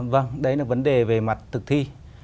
vâng đấy là vấn đề về mặt thực thi